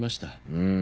うん。